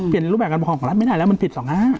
รูปแบบการปกครองของรัฐไม่ได้แล้วมันผิด๒๕